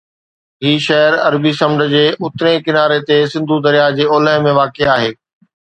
هي شهر عربي سمنڊ جي اترئين ڪناري تي، سنڌو درياهه جي اولهه ۾ واقع آهي